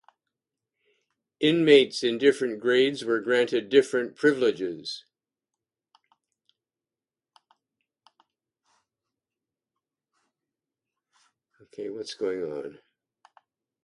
Inmates in different grades were granted different privileges.